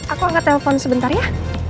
aku akan telepon sebentar ya